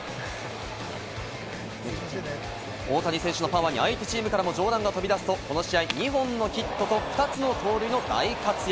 大谷選手のパワーに相手チームからも冗談が飛び出すと、この試合は２本のヒットと２つの盗塁の大活躍。